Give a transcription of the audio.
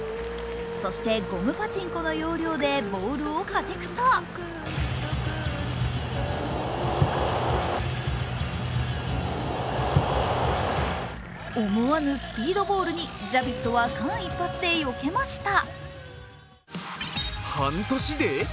そしてゴムパチンコの要領でボールをはじくと思わぬスピードボールにジャビットは間一髪でよけました。